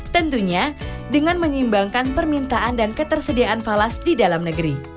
tentunya dengan menyeimbangkan permintaan dan ketersediaan falas di dalam negeri